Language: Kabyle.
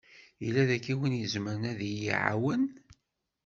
Yella daki win i izemren ad yi-d-iɛawen?